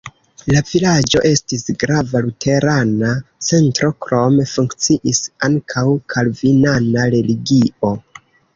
La vilaĝo estis grava luterana centro, krome funkciis ankaŭ kalvinana religio.